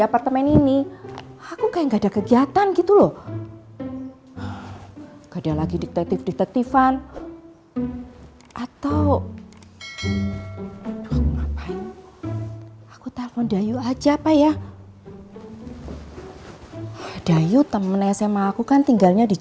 apartemen ini aku kayak nggak ada kegiatan gitu loh kadang lagi detektif detektifan atau aku ngapain